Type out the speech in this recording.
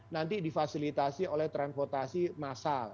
nanti difasilitasi oleh transportasi massal